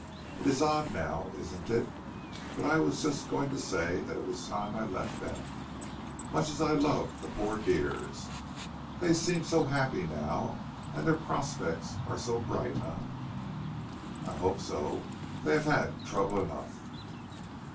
"It is odd now, isn't it, but I was just going to say that it was time I left them, much as I love the poor dears. They seem so happy now, and their prospects are so bright, eh?" "I hope so; they have had trouble enough."